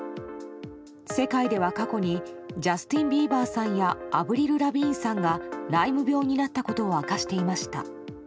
世界では過去にジャスティン・ビーバーさんやアヴリル・ラヴィーンさんがライム病になったことを明かしていました。